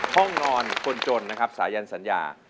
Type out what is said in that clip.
ห้องนอนคนจนนะครับสายันสัญญา